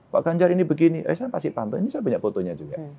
pak ganjar ini begini eh saya pasti pantas ini saya punya fotonya juga